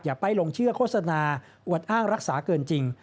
ไปลงเชื่อโฆษณาอวดอ้างรักษาเกินจริง